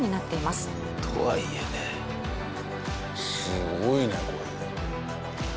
すごいねこれ。